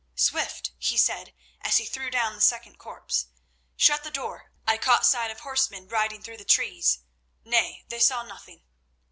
"Swift!" he said, as he threw down the second corpse. "Shut the door. I caught sight of horsemen riding through the trees. Nay, they saw nothing."